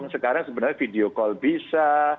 sekarang sebenarnya video call bisa